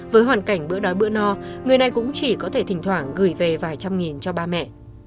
với hoàn cảnh bữa đói bữa no người này cũng chỉ có thể thỉnh thoảng gửi về vài trăm nghìn cho ba mẹ